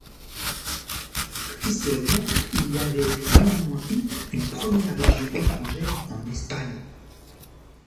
Historiquement, il y avait néanmoins eu une première légion étrangère en Espagne.